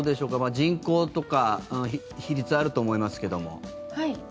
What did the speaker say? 人口とか、比率あると思いますけども。